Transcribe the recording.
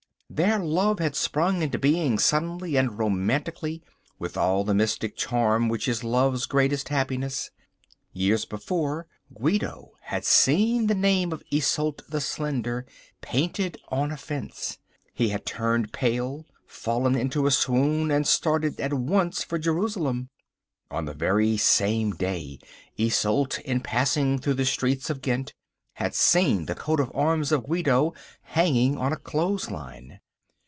Their love had sprung into being suddenly and romantically, with all the mystic charm which is love's greatest happiness. Years before, Guido had seen the name of Isolde the Slender painted on a fence. He had turned pale, fallen into a swoon and started at once for Jerusalem. On the very same day Isolde in passing through the streets of Ghent had seen the coat of arms of Guido hanging on a clothes line.